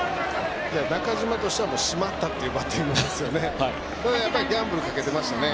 中島としてはしまったというバッティングですよね。